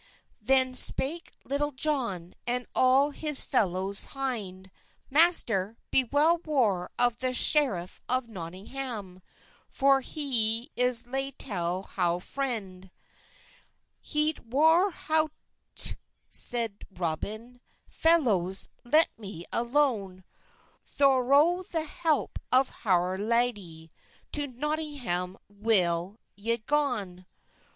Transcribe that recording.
Than spake Leytell John, And all hes felowhes heynd, "Master, be well war of the screffe of Notynggam, For he ys leytell howr frende." "Heyt war howte," seyde Roben, "Felowhes, let me alone; Thorow the helpe of howr ladey, To Notynggam well y gon."